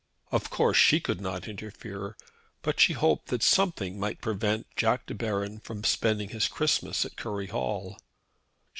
Of course she could not interfere, but she hoped that something might prevent Jack De Baron from spending his Christmas at Curry Hall.